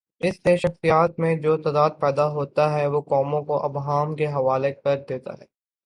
اس سے شخصیت میں جو تضاد پیدا ہوتاہے، وہ قوموں کو ابہام کے حوالے کر دیتا ہے۔